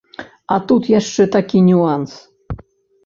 А тут яшчэ такі нюанс.